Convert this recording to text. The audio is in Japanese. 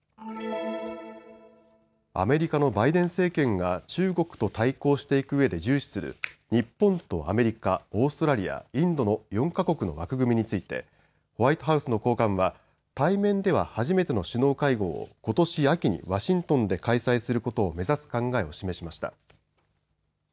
アメリカのバイデン政権が中国と対抗していくうえで重視する日本とアメリカ、オーストラリア、インドの４か国の枠組みについてホワイトハウスの高官は対面では初めての首脳会合をことし秋にワシントンで開催することを目指す考えを示しました。